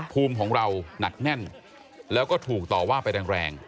ภูมิของเราหนักแน่นแล้วก็ถูกต่อว่าไปแรง